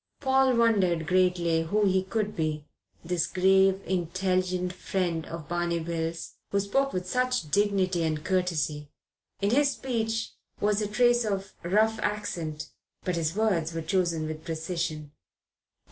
Paul wondered greatly who he could be, this grave, intelligent friend of Barney Bill's, who spoke with such dignity and courtesy. In his speech was a trace of rough accent; but his words were chosen with precision.